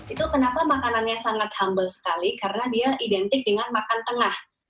itu kenapa makanannya sangat humble sekali karena dia identik dengan makan tengah